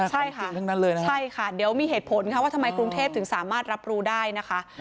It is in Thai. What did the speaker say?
ใช่ค่ะใช่ค่ะเดี๋ยวมีเหตุผลค่ะว่าทำไมกรุงเทพถึงสามารถรับรู้ได้นะคะ